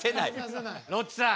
ロッチさん